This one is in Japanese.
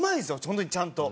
本当にちゃんと。